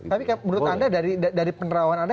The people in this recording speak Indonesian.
tapi menurut anda dari penerawan anda